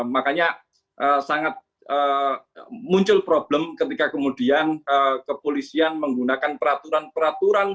makanya sangat muncul problem ketika kemudian kepolisian menggunakan peraturan peraturan